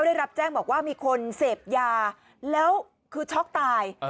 ได้รับแจ้งบอกว่ามีคนเสพยาแล้วคือช็อกตาย